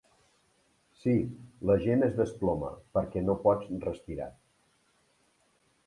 Sí, la gent es desploma, perquè no pots respirar.